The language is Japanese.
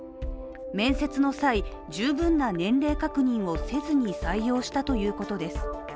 面接の際、十分な年齢確認をせずに採用したということです。